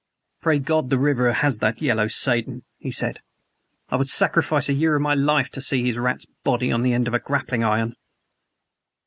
"Pray God the river has that yellow Satan," he said. "I would sacrifice a year of my life to see his rat's body on the end of a grappling iron!"